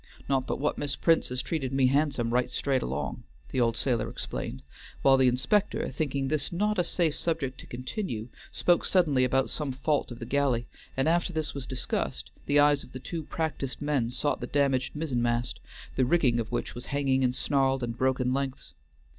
Not but what Miss Prince has treated me handsome right straight along," the old sailor explained, while the inspector, thinking this not a safe subject to continue, spoke suddenly about some fault of the galley; and after this was discussed, the eyes of the two practiced men sought the damaged mizzen mast, the rigging of which was hanging in snarled and broken lengths.